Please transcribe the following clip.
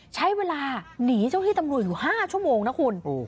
ใช้เวลาหนีเจ้าที่ตำรวจอยู่๕ชั่วโมงนะคุณ